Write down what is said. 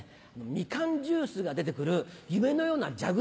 ミカンジュースが出てくる夢のような蛇口。